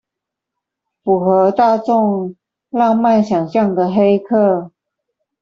符合大眾浪漫想像的黑客